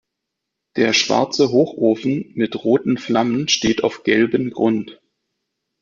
Der schwarze Hochofen mit roten Flammen steht auf gelben Grund.